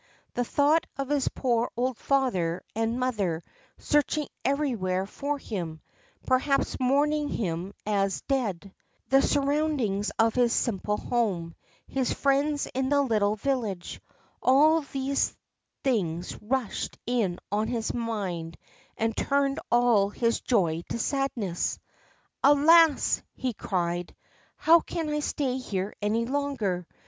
The thought of his poor old father and mother searching everywhere for him, perhaps mourning him as dead ; the surroundings of his simple home, his friends in the little village, all these things rushed in on his mind and turned all his joy to sadness. ' Alas !' he cried, ' how can I stay here any longer